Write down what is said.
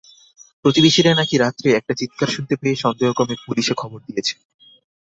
প্রতিবেশীরা নাকি রাত্রে একটা চিৎকার শুনতে পেয়ে সন্দেহক্রমে পুলিশে খবর দিয়েছে।